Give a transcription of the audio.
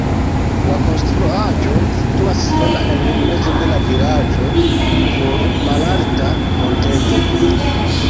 La konstruaĵo situas sola en mezo de la vilaĝo sur malalta monteto.